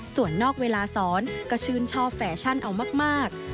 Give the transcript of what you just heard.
ส่วนนอกเวลาสอนก็ชื่นชอบแฟชั่นเอามาก